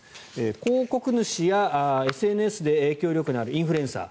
広告主やＳＮＳで影響力のあるインフルエンサー